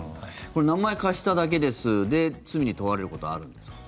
これ、名前貸しただけですで、罪に問われることはあるんですか？